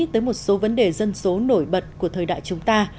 tới một số vấn đề dân số nổi bật của thời đại chúng ta